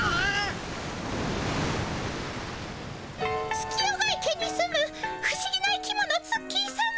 月夜が池に住む不思議な生き物ツッキーさま。